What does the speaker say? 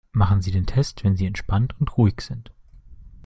Machen Sie den Test, wenn sie entspannt und ruhig sind.